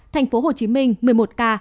thành phố hồ chí minh một mươi một ca